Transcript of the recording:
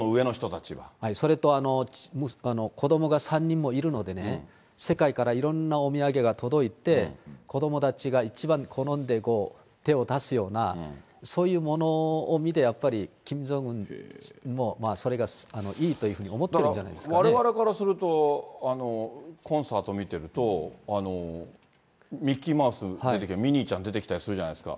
それと子どもが３人もいるのでね、世界からいろんなお土産が届いて、子どもたちが一番好んで手を出すような、そういうものを見て、やっぱりキム・ジョンウンもそれがいいというふうに思ってるんじだから、われわれからすると、コンサート見てると、ミッキーマウス出てきたり、ミニーちゃん出てきたりするじゃないですか。